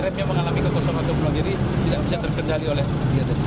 remnya mengalami kekosongan atau belum jadi tidak bisa terkendali oleh dia